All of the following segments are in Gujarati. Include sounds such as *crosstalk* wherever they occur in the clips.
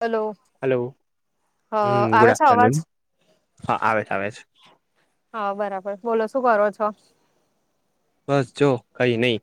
હલો હલો હ હમ આવે ગુડ છે અવાજ આફ્ટરનૂન હા આવે છે આવે છે. હા બરાબર. બોલો શું કરો છો? બસ જો કઈ નહી.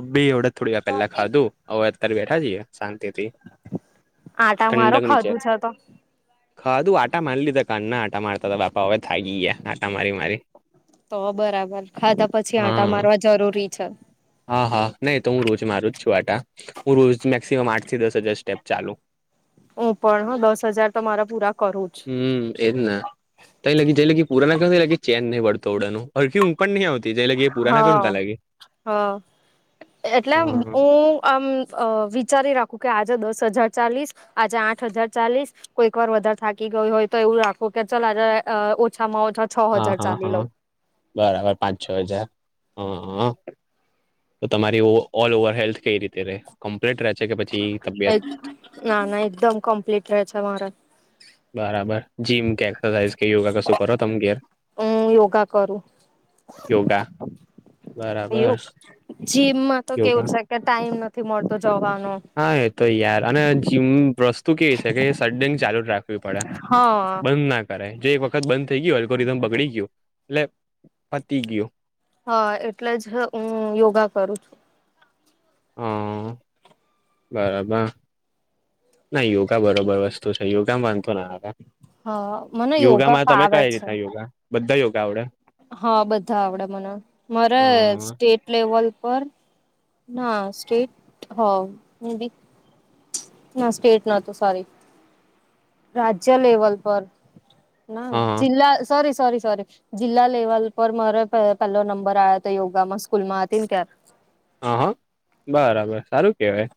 અબી ઓડે થોડી વાર પેલા ખાધું. હવે અતારે બેઠા છીએ શાંતિથી. આટા મારો ઠંડક નીચે ખાધું છે તો. ખાધું આટા માર લીઘા કારના આટા મારતા તા બાપા હવે થાગી ગયા આટા મારી મારી. તો બરાબર. ખાધા પછી આંટા હા મારવા જરૂરી છે. હા હા ના એતો હું રોજે મારું જ છું આટા. હું રોજ મેક્સિમમ આઠ થી દસ હજાર સ્ટેપ ચાલુ. હું પણ હહ દસ હજાર તો મારા પૂરા કરું જ. હમ એજ ને તઈ લીગી જે લગી પુરા ના કર એ લી ચેન નહીં પડતો ઓડા નું. હરખી ઊંઘ પણ નહી આવતી જે લગી પુરા ના કરું ને તા હા લગી. હા એટલે હું હા આમ અ વિચારી રાખ ખું કે આજે દસ હજાર ચાલીસ, આજે આઠ હજાર ચાલીસ. કોઈક વાર વધારે થાકી ગઈ હોય તો એવું રાખું કે ચલ આજે અ ઓછામાં ઓછા છ હા હજાર હા ચાલી હા લઉં બરાબર પાંચ છ હજાર હહ હહ તો તમારી ઓલ ઓવર હેલ્થ કઈ રીતે રે કમ્પ્લીટ રહે છે કે પછી તબિયત ના ના એકદમ કમ્પ્લીટ રે છે મારે. બરાબર. જીમ કે એક્સરસાઇઝ કે યોગા કશું કરો તમે ઘેર? હું યોગા કરું. યોગા બરાબર *unintelligible* જીમમાં તો યોગા કેવું છે કે ટાઈમ નથી મળતો જવાનો. હા એ તો યાર અને જીમ વસ્તુ કેવી છે કે એ સડન ચાલુ જ રાખ ખવી પડે. હા બંધ ના કરે જે એક વખત બંધ થઈ ગયો એલગોરીધમ બગડી ગયો એટલે પતી ગયો. હહ એટલે જ હું યોગા કરું છું. હહ બરાબર. ના યોગા બરોબર વસ્તુ છે. યોગામાં વાંધો ના આવે. હા મને યોગા યોગામાં તમે ફાવે કઈ છે રીતના યોગા? બધા યોગા આવડે? હા બધા આવડે મને. મારે હ સ્ટેટ લેવલ પર ના સ્ટેટ હહ મેબી ના સ્ટેટ નતો સોરી. રાજ્ય લેવલ પર ના હ જિલ્લા સોરી સોરી સોરી. જિલ્લા લેવલ પર મારે પે પેલો નંબર આયો તો યોગામાં સ્કૂલમાં હતી ને ત્યાર. હા હા બરાબર સારું કેહેવાય.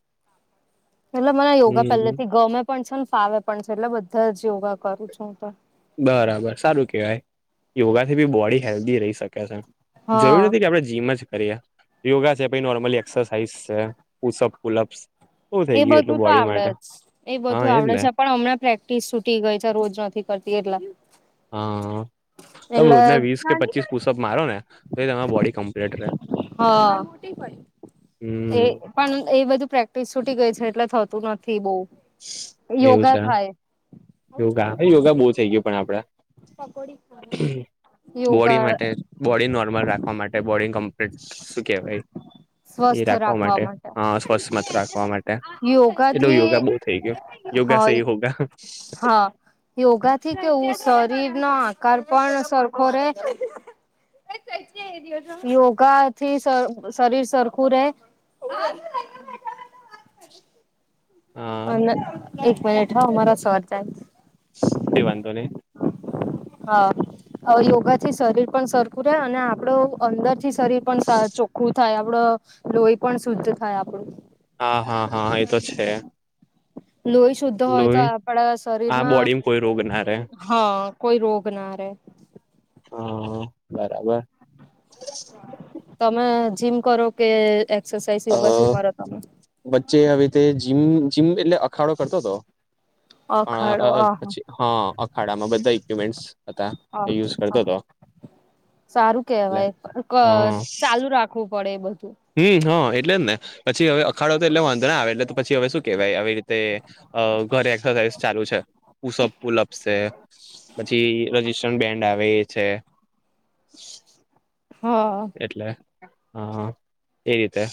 એટલે મને યોગા પહેલે થી ગમે પણ છે ને ફાવે પણ છે એટલે બધા જ યોગા કરું છું હું તો. બરાબર સારું કેહેવાય યોગાથી બી બોડી હેલ્ધી રહી શકે છે. જરૂર હા નથી કે આપડે જીમ અજ કરીએ. યોગા છે પહિ નોર્મલી એક્સરસાઇઝ છે પુસઅપ પુલઅપ. એ બધું તો આવડે જ એ હા બધું એજ આવડે ને છે પણ હમણાં પ્રેક્ટિસ છૂટી ગઈ છે રોજ નથી કરતી એટલા. હા અહ. તમે રોજને વીસ કે પચીસ પુષઅપ મારો ને તો તમારી બોડી કમ્પ્લીટ રહે. હા. એ હમ પણ એ બધું પ્રેક્ટિસ છૂટી ગઈ છે એટલે થતું નથી બહુ. એવું યોગા છે થાય. યોગા હ યોગા બહુ થઈ ગયો પણ આપડા. પકોડી કરે. બોડી માટે બોડી નોર્મલ રાખવા માટે બોડી કમ્પ્લીટ શું કેહેવાય. એ રાખવા માટે હા સ્વચ્છ મત રાખવા માટે એટલે યોગાથી યોગા બે થઈ ગયો. યોગા સેહી હોય હોગા. હા, યોગા થી કેવું શરીર નો આ કારર્પણ સરખો રહે. યોગા થી શ-શરીર સરખું રહેે. હા અને એક મિનિટ હો મારા સર ચાનશ કઈ વાંધો નહી. હા. અહ યોગા થી શરીર પણ સરખું રહે અને આપડું અંદરથી શરીર પણ સા ચોખ્ખું થાય આપડો. લોહી પણ શુદ્ધ થાય આપડું. હા હા હા એ તો છે. લોહી શુદ્ધ હોય તો લોહી આપડા આ શરીરમાં બોડીમાં કોઈ રોગ ના રે હા. કોઈ રોગ ના રહે. હા, બરાબર. તમે જીમ કરો કે એક્સરસાઇઝ અ યોગા શું કરો તમે? વચ્ચે હવે તે જીમ જીમ એટલે અખાડો કરતો તો. પણ અખાડો અહ પછી આહા હા અખાડામાં બધા ઈક્વિપમેન્ટસ હતા. એ યુઝ કરતો તો. સારું કેહેવાય ક ચાલુ રાખવું પડે એ બધું. હમ્મ હા એટલે જ ને પછી હવે અખાડો તો એટલે વાંધો આવે એટલે તો પછી હવે શું કેહેવાય આવી રીતે અહ ઘરે એક્સરસાઇઝ ચાલુ છે પુશઅપ પુલઅપ છે. પછી રજીસ્ટ્રન બેન્ડ આવે છે. હા. એટલે હા એ રીતે.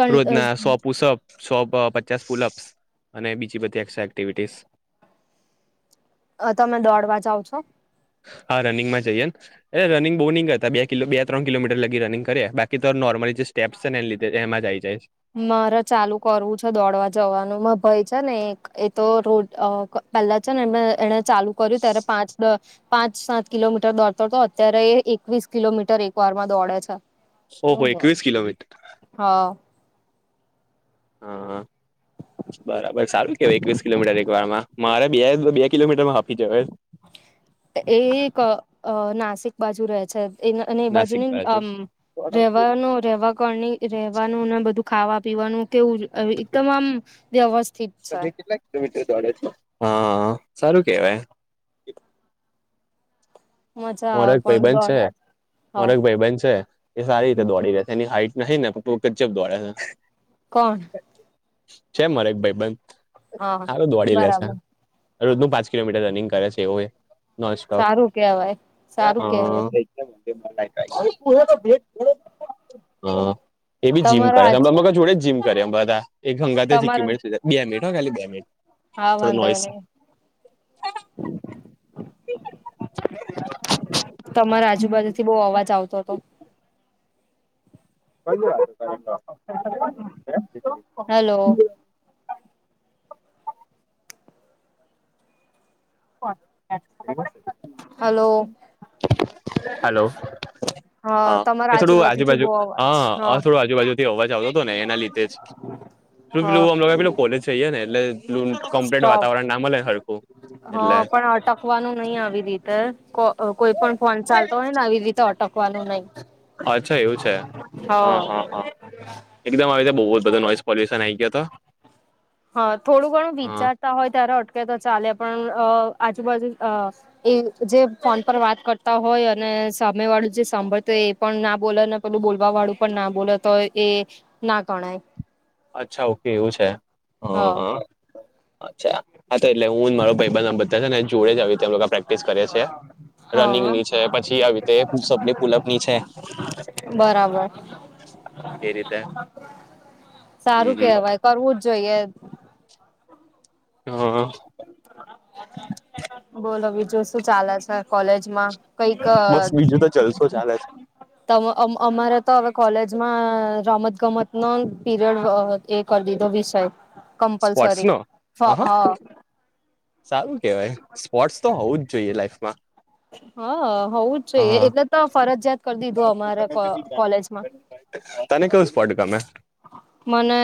કન રોજના સો પુશઅપ સો પચાસ અપશ. અને બીજી બધી એક્સ્ટ્રા એક્ટિવિટીસ. અહ તમે દોડવા જાવ છો? હા, રનિંગમાં જઈએ એ રનિંગ બહું નહીં કર તા બે કિલો બે ત્રણ કિલોમીટર લગી રનિંગ કરીે બાકી તો નોર્મલી જે સ્ટપ્સ ને લીધ એમાં જ આવી જાય. મારે ચાલુ કરવું છે દોડવા જવાનું માર ભઈ છે ને એક એ તો રો અહ ક પેલા છે ને એને એણે ચાલુ કર્યું ત્યારે પાંચ દ પાંચ સાત કિલોમીટર દોડતો તો અત્યારે એકવીસ કિલોમીટર એક વાર માં દોડે છે. ઓહ ભઈ એકવીસ કિલોમીટર. હા. હા, હા. બરાબર સારું કેવાય એકવીસ કિલોમીટર એક વારમાં. મારે બે બે કિલોમીટર માં હાપી જવાએ. એ કા આ નાસિક બાજુ રહે છે. એ અને એ બાજુ આમ રેવાનો રેવા કરણી રહેવાનું ને બધું ખાવા પીવાનું કેવું એકદમ આમ વ્યવસ્થિત હા છે તે કેટલા કિલોમીટર દોડે છે હા સારું કેવાય. મજા મોરાજ આવે પણ ભાઈબન છે દોડવા મોર હ એક ભાઈબન છે. એ સારી રીતે દોડી રહેે છે એની હાઈટ નહીં ને પરંતુ *unintelligible* દોડે છે. કોણ. છે મરે એક ભાઈ બંધ હા હારુ દોડી લેશે. બરાબર રોજનું પાંચ કિલોમીટ રનીંગ કરે છે એ વો એ. સારું કેવાય. હા સારું હા કેવાય હા. એ બી જીમ તમારો કરે આજ હમણાં *unintelligible* જોડે જીમ કરે એ બધા એકગં હાથે *unintelligible* તમારો બે મિનિટ હો ખાલી બે મિનિટ. હા થોડું વાંધો નોઈસ નહીં. *inaudible* તમારા આજુબાજુથી બહુ અવાજ આવતો હતો. *unintelligible* હલો. *unintelligible* હલો. હલો હા એ તમારા થોડું આજુ આજુબાજુથી બાજુ બહુ હ અવાજ હા થોડું આજુબાજુ જે અવાજ આવતો હતો ને એના લીધે જ શું હા પેલું આમ પેલું કોલેજ જઈએ ને એટલે *unintelligible* કમ્પ્લીટ વાતાવરણ ના મળે હરખું. હ એટલે પણ અટકવાનું નહી આવી રીતે કો કોઈ પણ ફોન ચાલતો હોય ને આવી રીતે અટકવાનું નહી. અચ્છા એવું છે હા હા હા. એકદમ આવી રીતે બહુ જ બધા નો *unintelligible* પોલ્યુશન આવી ગયો તો. હા થોડું ઘણું વિચારતા હોય ત્યારે અટકે તો ચાલે પણ આ આજુબાજુ આ એ જે ફોન પર વાત કરતા હોય અને સામે વાળું જે સાંભળત હોય એ પણ ના બોલે ને પેલું બોલવા વાળું પણ ના બોલે તો એ ના ગણાય. અચ્છા ઓકે એવું છે હા હા. અચ્છા હા તો એટલે હું મારો ભાઈબંધ આમ બધા ને જોડે જ આવી જ રીતે પ્રેક્ટિસ કરે છે. રનિંગ હા ની છે પછી આવી રીતે સપની પુલઅપની છે. બરાબ બર. એ રીતે હમ સારું હમ કેહેવાય કરવું જ જોઈએ. હા હા. બોલો બીજું શું ચાલે છે કોલેજમાં. કઈક બસ બીજું તો જલસો ચાલે છે. તમ અમ અમારે તો હવે કોલેજમાં રમત ગમત નો પીરિયડ હા હતી. કરી દીધો વિષય છે સ્પોર્ટ્સ કમ્પલસરી નો હ હા હ. સારું કેવાય સ્પોર્ટસ તો હોવું જ જોઈએ લાઈફમાં. હા હોવું જ જોઈએ હા એટલે તો ફરજિયાત કરી દીધું અમારા કો કોલેજમાં. તને કહ્યું સ્પોર્ટ્સ ગમે. મને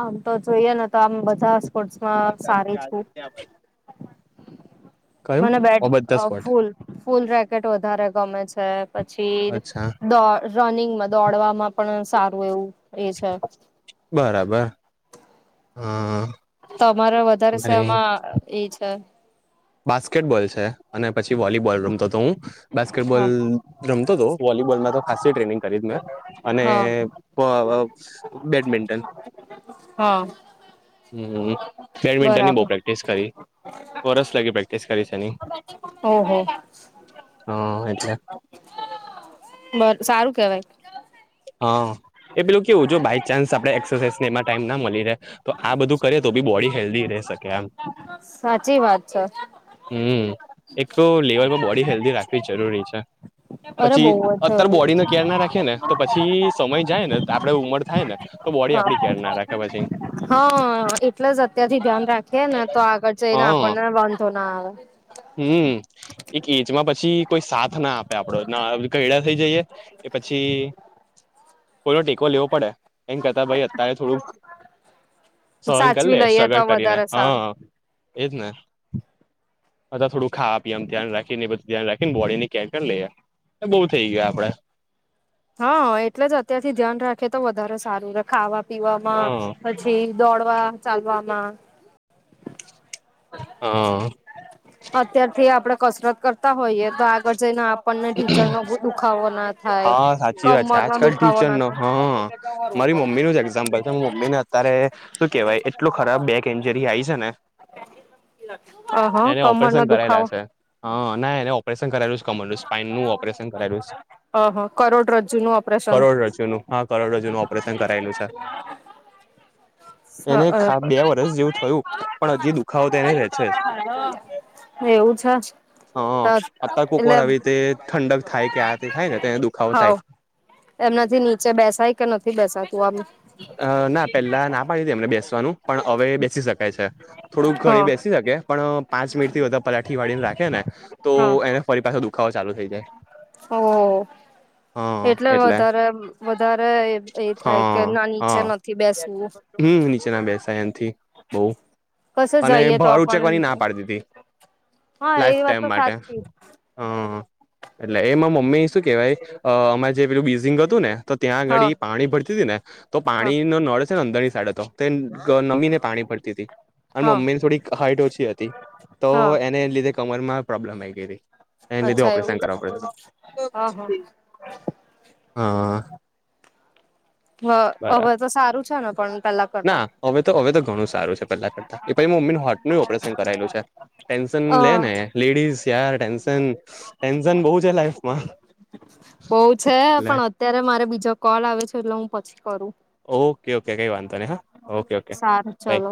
આમ તો જોઈએ ને તો આમ બધા સ્પર્ટમાં સારી છું. કયું મને બેટ ઓ બધા આ સ્પોટ ફૂલ ફૂલ રેકેટ વધારે ગમે છે પછી અચ્છા દો રનિંગમાં દોડવામાં પણ સારું એવું એ છે. બરાબર હા. તમારા વધારે અરે સેમાં એ છે. બાસ્કેટબોલ છે, અને પછી વોલીબોલ રમતો તો હું બાસ્કેટબોલ હા રમતો તો વોલીબોલમાં તો ખાસ ટ્રેનિંગ કરી જ મેં અને હા પ બેડમિન્ટન હ. હમ બેડમિન્ટન બો બરાબર પરે ક્ટિસ કરી વરસ લાગી પ્રેક્ટિસ કરી છે, ની ઓહો હ એટલે બ સારું કેવાય હા એ પેલું કેવું જો બાય ચાન્સ આપડે એક્સરસાઝ ને એમાં ટાઈમના મલી રે તો આ બધું કરે તો બી બોડી હેલ્ધી રહી શકે એમ સાચી વાત છે. હમ એકકો લેવર બોડી હેલ્દી રાખવી જરૂરી છે. અરે પછી બહુ જ અત્યારે જરૂરી બોડીને છે કેર ના રાખયે ને તો પછી સમય જાય ને આપડે ઉમર થાય ને તો બોડી હા આપડી કેર ના રાખે પછી હા એટલે જ અત્યારથી ધ્યાન રાખીએ ને તો આગળ હ જઈને આપણને વાંધો ના આવે હમ. એક એજમાં પછી કોઈ સાથ ના આપે આપડો ના ઘયડા થઈ જઈએ કે પછી થોડો ટેકો લેવો પડે એમ કરતા ભાઈ અત્યારે થોડુંક સહન કરી સાચવી લે લઈએ તો સ્ટ્રગલ કરીને વધારે હ સારું એજ ને *unintelligible* થોડું ખાવા પીવામા ધ્યાન રાખીને બધું ધ્યાન રાખીને બોડીને કેર લઈએ બઉ થય ગયુ આપડે હ એટલે જ અત્યારથી ધ્યાન રાખેએ તો વધારે સારું રહે ખાવા પીવામાં હ પછી દોડવા ચાલવામાં હા. અત્યારથી આપડે કસરત કરતા હોઈએ તો આગળ જઈને આપણને ઢીચણનો દુખાવો ના થાય હા સાચી વાત છે, કમરનો આજકાલ દુખાવો ટીચર ના નો હ મારી મમ્મી નુ જ એક્ઝામ્પલ છે, હું મમ્મી ને ત્યારે શું કેવાય એટલું ખરાબ બેક એન્જરી આઈ છે, ને અ હ એને કમ ઓપરેશન કરાયેલા છે, હ ના એને ઓપરેશન કરેલું કમરલું સ્પાઈનનું ઓપરેશન કરાયેલું અ હ કરોડ રજ્જુનું ઓ કરોડ રજોનું હા કરોડ રજોનું ઓપરેશન કરાયેલું છે. એને બે વર્ષ જેવું થયું પણ હજી દુખાવો તો એને રે છે, જ હા. એવું છે, હ ત અત્યારે કોક એટલે વાર આવી રીતે ઠંડક થાય કે આ તે થાય ને તો એને હ દુખાવો થાય એમનાથી નીચે બેસાય કે નથી બેસાતું આમ અ ના પેલા ના પાડી હતી એમને બેસવાનું પણ અવે બેસી શકાય છે. થોડુંક ઘણી બેસી શકે પણ પાંચ મિનિટથી વધુ પલાઠી વાળી ને રાખે ને તો આમ એને ફરી પાછો દુખાવો ચાલુ થઈ જાય ઓ એટલે વધારે વધારે એ થાય કે ના નીચે નથી હ બેસવું હમ નીચેના બેસાય એનથી બો કશે અને જઈએ તો ભાર પણ ઉચેકવાની ના પાડી દીધી હા એ લાઈફ વાત ટાઈમ તો માટે સાચી હ એટલે એમાં મમ્મી શું કેહેવાય અ મા જે પેલું બીઝિંગ હતું ને તો ત્યાં હા આગાડી પાણી ભરતી તી ને તો હા પાણી નો નડ છે, ને અંદર ની સાઈડ હતો તે ગ નમીને પાણી પડતી તી અને હા મમ્મી ને થોડી હાઈટ ઓછી હતી તો હા એને લીધે કમરમાં પ્રોબ્લેમ આઈ ગેલી એ લીધે અચ્છા એવું ઓપરેશન છે કરવા *unintelligible* *inaudible* હા. હ બરાબર હવે તો સારું છે ને પણ પેલા કરતા ના હવે તો હવે તો ઘણું સારું છે પહેલા કરતા. એ પાઈ મમ્મી નું હાર્ટ ન ઓપરેશન કરાયેલું છે ટેન્શન અ લે ને લેડીસ યાર ટેન્શન ટેન્શન બહું છે લાઈફમાં એટલે ત્યારે મારે બીજો કોલ આવે છે એટલે હું પછી કરું. ઓકે ઓકે કઈ વાંધો નહિ હા ઓકે ઓકે સારું બાય. ચલો